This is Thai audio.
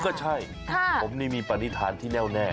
ก็ใช่ผมนี่มีปฏิฐานที่แน่วแน่